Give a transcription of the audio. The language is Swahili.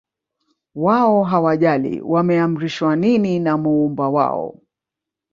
wao hawajali wameamrishwa nini na muumba wao